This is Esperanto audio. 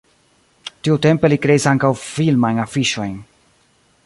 Tiutempe li kreis ankaŭ filmajn afiŝojn.